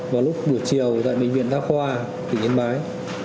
vào lúc buổi chiều tại bệnh viện đa khoa tỉnh yên bái